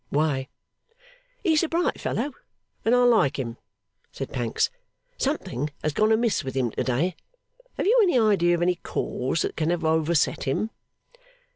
Why?' 'He's a bright fellow, and I like him,' said Pancks. 'Something has gone amiss with him to day. Have you any idea of any cause that can have overset him?